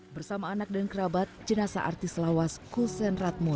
bersama anak dan kerabat jenasa artis lawas kusen ratmo